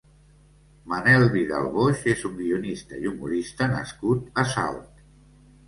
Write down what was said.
Manel Vidal Boix és un guionista i humorista nascut a Salt.